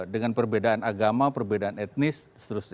dengan perbedaan agama perbedaan etnis seterusnya